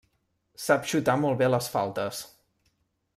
Sap xutar molt bé les faltes.